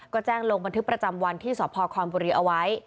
ก็แจ้งลงบันทึกประจำวันที่สพคอนบุรีเอาไว้